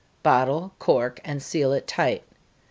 Bottle, cork, and seal it tight.